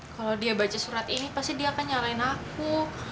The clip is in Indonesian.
kalau dia baca surat ini pasti dia akan nyalain aku